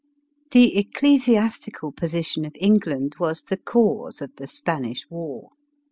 The ecclesiastical position of England was the cause of the Spanish war.